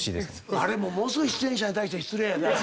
あれもものすごい出演者に対して失礼やで。